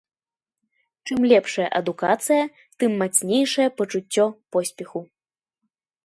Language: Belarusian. Чым лепшая адукацыя, тым мацнейшае пачуццё поспеху.